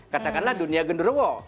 katakanlah dunia gendroo